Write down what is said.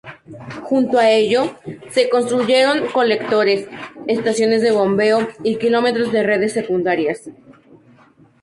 Junto a ello, se construyeron colectores, estaciones de bombeo y kilómetros de redes secundarias.